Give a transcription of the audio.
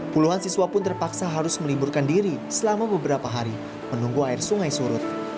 puluhan siswa pun terpaksa harus meliburkan diri selama beberapa hari menunggu air sungai surut